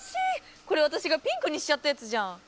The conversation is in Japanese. これわたしがピンクにしちゃったやつじゃん。